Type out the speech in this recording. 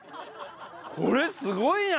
これすごいな！